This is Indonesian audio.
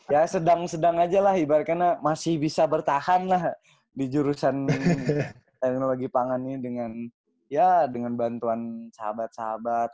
ya sedang sedang aja lah ibaratnya masih bisa bertahan lah di jurusan teknologi pangan ini dengan ya dengan bantuan sahabat sahabat